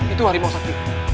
itu harimau sakti